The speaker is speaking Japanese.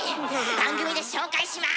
番組で紹介します！